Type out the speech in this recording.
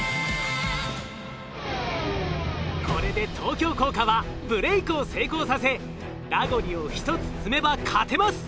これで東京工科はブレイクを成功させラゴリを１つ積めば勝てます。